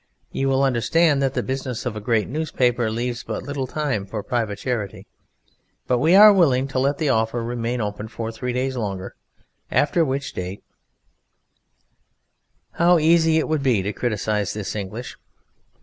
You will understand that the business of a great newspaper leaves but little time for private charity, but we are willing to let the offer remain open for three days longer, after which date _ How easy it would be to criticise this English!